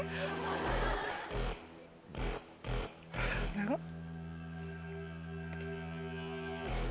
長っ。